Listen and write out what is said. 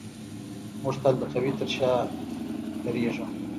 موږ تل د قوي تر شا درېږو.